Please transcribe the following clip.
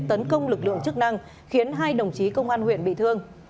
tấn công lực lượng chức năng khiến hai đồng chí công an huyện bị thương